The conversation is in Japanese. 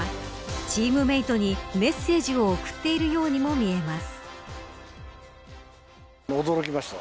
チームメートにメッセージを送っているようにも見えます。